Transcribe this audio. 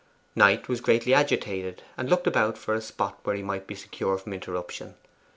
Knight was greatly agitated, and looked about for a spot where he might be secure from interruption.